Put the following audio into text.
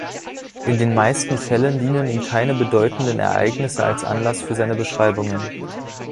In den meisten Fällen dienen ihm keine bedeutenden Ereignisse als Anlass für seine Beschreibungen.